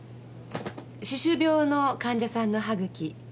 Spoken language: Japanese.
歯周病の患者さんの歯茎。